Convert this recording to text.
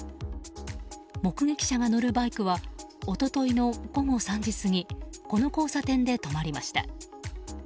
目撃者が乗るバイクは一昨日の午後３時過ぎこの交差点で止まりました。